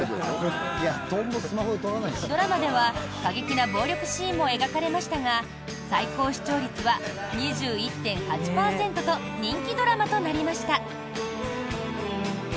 ドラマでは過激な暴力シーンも描かれましたが最高視聴率は２１．８％と人気ドラマとなりました。